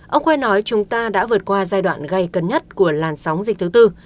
ông khuê nói chúng ta đã vượt qua giai đoạn gây cân nhất của làn sóng dịch thứ tư